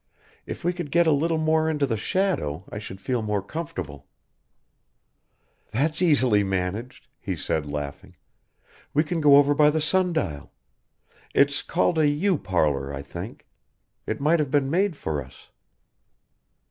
If we could get a little more into the shadow I should feel more comfortable " "That's easily managed," he said laughing. "We can go over by the sundial. It's called a yew parlour, I think. It might have been made for us."